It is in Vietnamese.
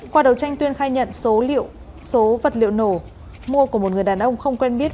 qua đầu tranh tuyên khai nhận số vật liệu nổ mua của một người đàn ông không quen biết